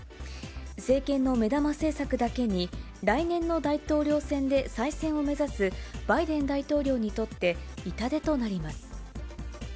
政権の目玉政策だけに、来年の大統領選で再選を目指すバイデン大統領にとって、痛手となります。